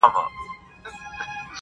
گوره را گوره وه شپوږمۍ ته گوره.